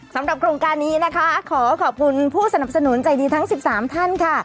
โครงการนี้นะคะขอขอบคุณผู้สนับสนุนใจดีทั้ง๑๓ท่านค่ะ